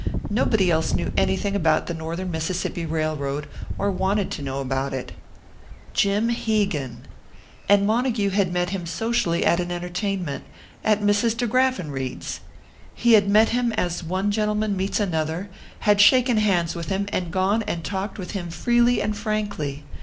Nobody else knew anything about the Northern Mississippi Railroad, or wanted to know about it. Jim Hegan! And Montague had met him socially at an entertainment at Mrs. de Graffenried's! He had met him as one gentleman meets another, had shaken hands with him, had gone and talked with him freely and frankly!